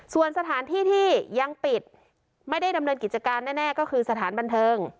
ส่วนสถานที่ที่ยังปิดไม่ได้ดำเนินกิจการแน่ก็คือสถานบันเทิง